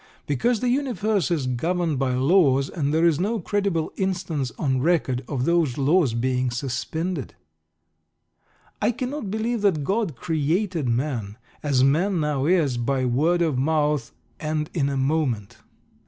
Because the universe is governed by laws, and there is no credible instance on record of those laws being suspended. I cannot believe that God "created" man, as man now is, by word of mouth and in a moment.